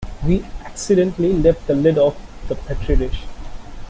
We accidentally left the lid off the petri dish.